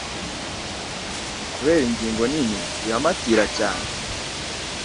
kuberako ingingo nini irampatira cyane